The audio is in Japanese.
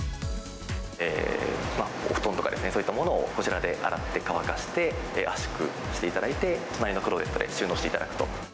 お布団とかそういったものをこちらで洗って乾かして、圧縮していただいて、隣のクローゼットへ収納していただくと。